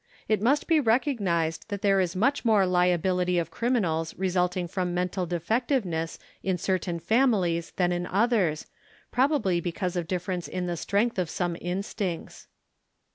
It must be recognized that there is much more lia bility of criminals resulting from mental defectiveness in certain families than in others, probably because of difference in the strength of some instincts.